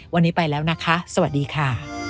วันนี้ไปแล้วนะคะสวัสดีค่ะ